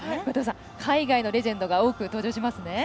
海外のレジェンドが多く登場しますね。